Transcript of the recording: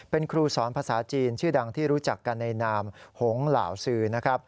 เป็นครูสอนภาษาจีนชื่อดังที่รู้จักกันในนามหงเหล่าซือนะครับ